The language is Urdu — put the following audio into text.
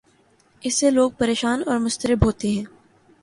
اس سے لوگ پریشان اور مضطرب ہوتے ہیں۔